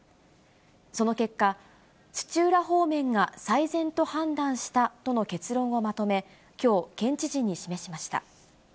その結果、土浦方面が最善と判断したとの結論をまとめ、きょう、県知事に示しました。